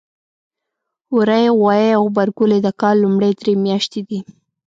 وری ، غوایی او غبرګولی د کال لومړۍ درې میاتشې دي.